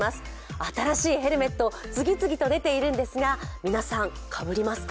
新しいヘルメット、次々と出ているんですが皆さん、かぶりますか？